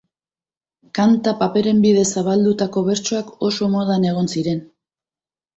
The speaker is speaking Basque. Kanta paperen bidez zabaldutako bertsoak oso modan egon ziren